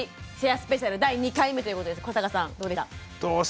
スペシャル第２回目ということで古坂さんどうでした？